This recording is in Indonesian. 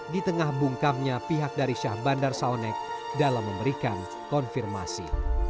di tengah bungkamnya pihak dari syah bandar saonek dalam memberikan konfirmasi